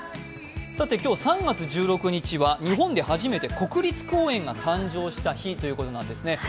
３月１６日は日本で初めて国立公園が誕生した日ということなんです。